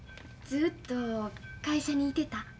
ずっと会社にいてた？